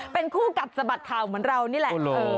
เป็นคู่กัดสะบัดข่าวเหมือนเรานี่แหละ